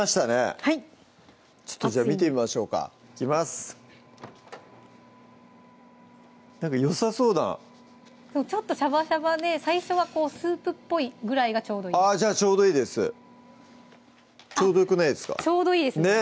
はいちょっとじゃあ見てみましょうかいきますなんかよさそうなちょっとシャバシャバで最初はスープっぽいぐらいがちょうどいいあっじゃあちょうどいいですちょうどよくないですかちょうどいいですね